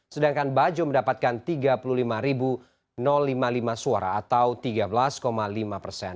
sedangkan bajo mendapatkan tiga puluh lima lima puluh lima suara atau tiga belas lima persen